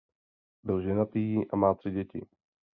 Byl ženatý a má tři děti.